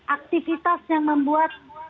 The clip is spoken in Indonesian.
aktivitas yang membuat